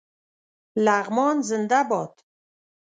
لغمان زنده باد